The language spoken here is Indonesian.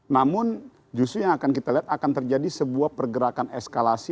namun justru yang akan kita lihat akan terjadi sebuah pergerakan eskalasi